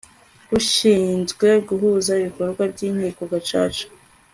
rushinzwe guhuza ibikorwa by'inkiko gacaca